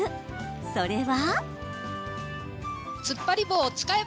それは。